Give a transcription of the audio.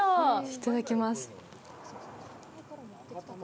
いただきます。